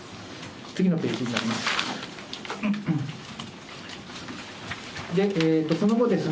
次のページになります。